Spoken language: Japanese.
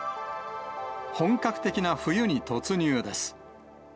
本格的な冬に突入です。